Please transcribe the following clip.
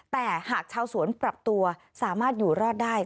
แต่หากชาวสวนปรับตัวสามารถอยู่รอดได้